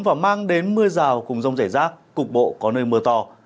và mang đến mưa rào cùng rông rải rác cục bộ có nơi mưa to